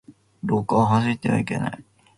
廊下は走ってはいけない。